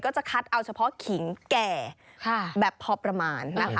จะคัดเอาเฉพาะขิงแก่แบบพอประมาณนะคะ